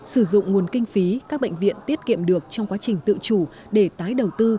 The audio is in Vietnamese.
sử dụng nguồn kinh phí các bệnh viện tiết kiệm được trong quá trình tự chủ để tái đầu tư